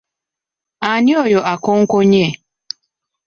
Ani oyo akonkonye?